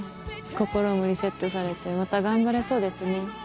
心もリセットされてまた頑張れそうですね。